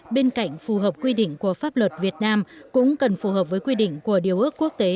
bên cạnh phù hợp quy định của pháp luật việt nam cũng cần phù hợp với quy định của điều ước quốc tế